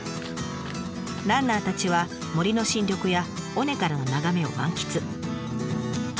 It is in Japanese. ランナーたちは森の新緑や尾根からの眺めを満喫。